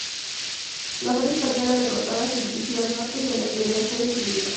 La fuerza española derrotada se dirigió al norte y La Imperial fue destruido.